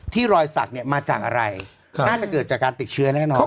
รอยสักเนี่ยมาจากอะไรน่าจะเกิดจากการติดเชื้อแน่นอน